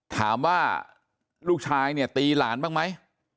ถามว่าลูกชายเนี่ยตีหลานบ้างไหม